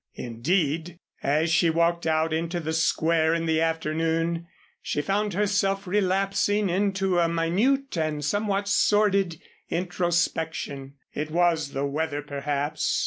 Indeed, as she walked out into the Square in the afternoon she found herself relapsing into a minute and somewhat sordid introspection. It was the weather, perhaps.